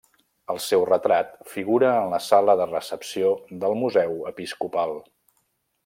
El seu retrat figura en la sala de recepció del Museu Episcopal.